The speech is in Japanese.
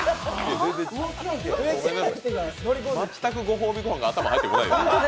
全くご褒美ごはんが頭に入ってこない。